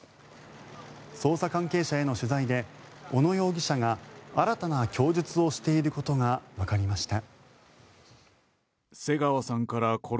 捜査関係者への取材で小野容疑者が新たな供述をしていることがわかりました。